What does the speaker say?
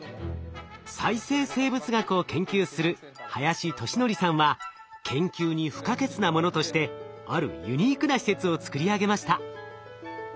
再生生物学を研究する林利憲さんは研究に不可欠なものとしてあるユニークな施設を作り上げました。